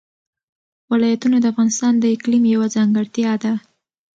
ولایتونه د افغانستان د اقلیم یوه ځانګړتیا ده.